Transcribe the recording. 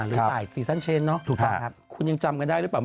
หรือต่ายซีซั่นเชนเนอะ